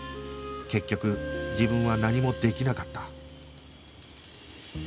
結局自分は何もできなかった